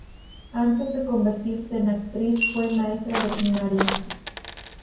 Antes de convertirse en actriz fue maestra de primaria.